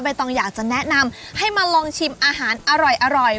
ต้องอยากจะแนะนำให้มาลองชิมอาหารอร่อย